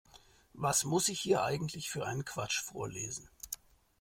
Was muss ich hier eigentlich für einen Quatsch vorlesen?